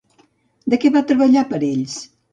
De què va treballar per a ells?